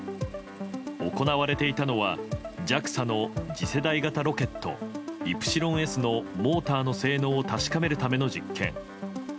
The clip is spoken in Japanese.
行われていたのはＪＡＸＡの次世代型ロケットイプシロンＳのモーターの性能を確かめるための実験。